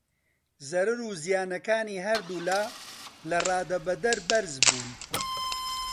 زەرەر و زیانەکانی هەردوو لا لە ڕادەبەدەر بەرز بوون.